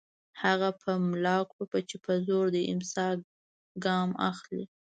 هغه په ملا کړوپه چې په زور د امساء ګام اخلي